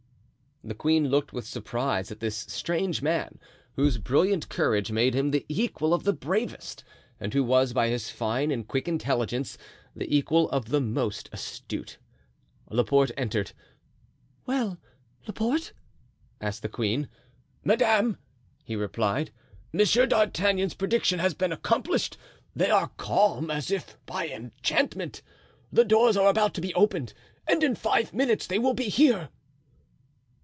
The queen looked with surprise at this strange man, whose brilliant courage made him the equal of the bravest, and who was, by his fine and quick intelligence, the equal of the most astute. Laporte entered. "Well, Laporte?" asked the queen. "Madame," he replied, "Monsieur d'Artagnan's prediction has been accomplished; they are calm, as if by enchantment. The doors are about to be opened and in five minutes they will be here."